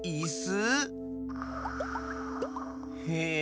へえ。